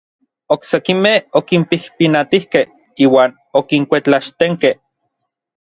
Oksekimej okinpijpinatijkej iuan okinkuetlaxtenkej.